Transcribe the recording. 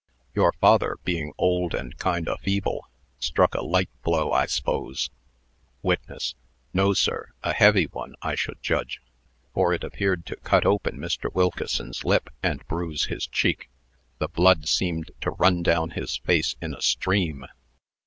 "Your father, being old and kind o' feeble, struck a light blow, I s'pose." WITNESS. "No, sir a heavy one, I should judge; for it appeared to cut open Mr. Wilkeson's lip, and bruise his cheek. The blood seemed to run down his face in a stream."